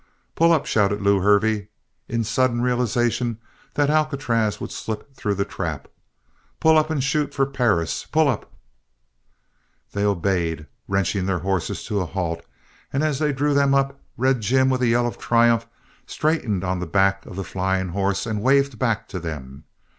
"Pull up!" shouted Lew Hervey, in sudden realization that Alcatraz would slip through the trap. "Pull up! And shoot for Perris! Pull up!" They obeyed, wrenching their horses to a halt, and as they drew them up, Red Jim, with a yell of triumph, straightened on the back of the flying horse and waved back to them.